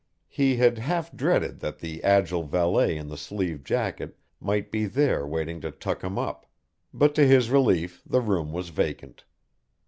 He had half dreaded that the agile valet in the sleeved jacket might be there waiting to tuck him up, but to his relief the room was vacant.